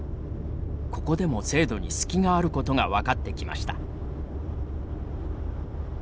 ここでも制度に隙があることが分かってきました。